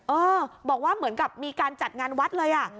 เออบอกว่าเหมือนกับมีการจัดงานวัดเลยอ่ะ